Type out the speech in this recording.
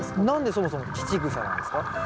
何でそもそも乳草なんですか？